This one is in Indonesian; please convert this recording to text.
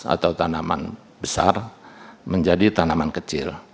atau tanaman besar menjadi tanaman kecil